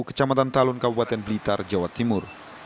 kecamatan talun kabupaten blitar jawa timur